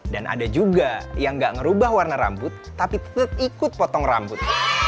dan ada juga yang nggak merubah warna rambut tapi tetep ikut potong rambut